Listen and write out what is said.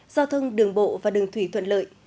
do thân đường bộ và đường thủy thuận lợi